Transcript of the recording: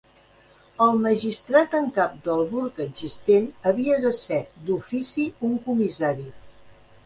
El magistrat en cap del burg existent havia de ser, "d'ofici", un comissari.